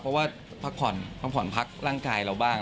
เพราะว่าพักผ่อนพักผ่อนพักร่างกายเราบ้าง